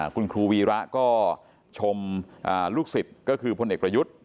คุณครูวีระก็ชมลูกศิษย์ก็คือพลเอกประยุทธ์